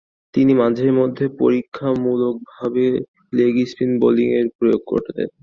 তিনি মাঝে-মধ্যে পরীক্ষামূলকভাবে লেগ স্পিন বোলিংয়ের প্রয়োগ ঘটাতেন।